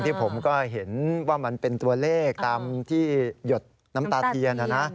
ที่ผมก็เห็นว่ามันเป็นตัวเลขตามที่หยดน้ำตาเทียน